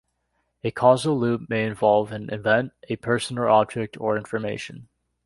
A causal loop may involve an event, a person or object, or information.